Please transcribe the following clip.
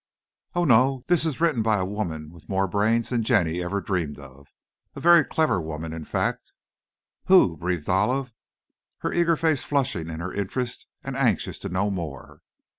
"Oh, no; this is written by a woman with more brains than Jenny ever dreamed of. A very clever woman in fact." "Who?" breathed Olive, her eager face flushing in her interest and anxious to know more.